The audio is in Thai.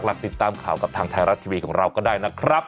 ติดตามข่าวกับทางไทยรัฐทีวีของเราก็ได้นะครับ